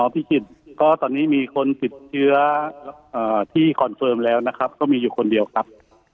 พิจิตรก็ตอนนี้มีคนติดเชื้อที่คอนเฟิร์มแล้วนะครับก็มีอยู่คนเดียวครับ